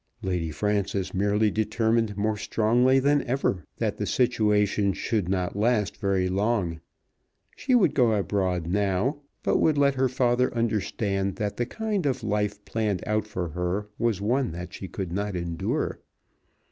Lady Frances merely determined more strongly than ever that the situation should not last very long. She would go abroad now, but would let her father understand that the kind of life planned out for her was one that she could not endure.